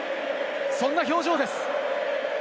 そんな表情です。